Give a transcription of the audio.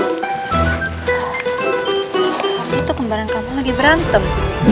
kamu itu kembaran kamu lagi berantem